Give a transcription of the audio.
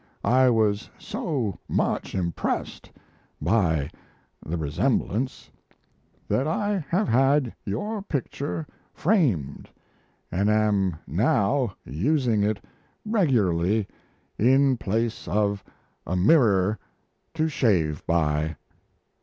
I was so much impressed by the resemblance that I have had your picture framed, and am now using it regularly, in place of a mirror, to shave by.